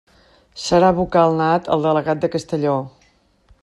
Serà vocal nat el delegat de Castelló.